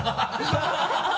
ハハハ